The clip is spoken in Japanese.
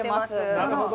なるほど